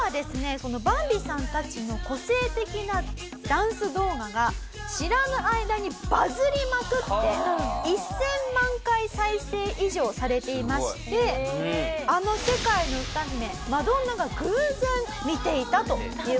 このバンビさんたちの個性的なダンス動画が知らぬ間にバズりまくって１０００万回再生以上されていましてあの世界の歌姫マドンナが偶然見ていたという事なんですね。